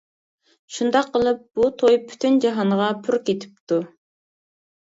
شۇنداق قىلىپ بۇ توي پۈتۈن جاھانغا پۈر كېتىپتۇ.